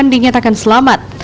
dan di nyatakan selamat